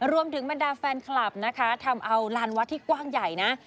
บรรดาแฟนคลับนะคะทำเอาลานวัดที่กว้างใหญ่นะ